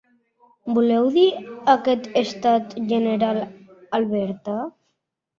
Voleu dir aquest estat, general, Alberta.